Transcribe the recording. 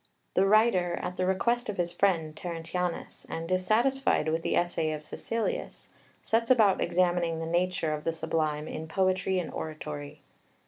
The writer, at the request of his friend, Terentianus, and dissatisfied with the essay of Caecilius, sets about examining the nature of the Sublime in poetry and oratory.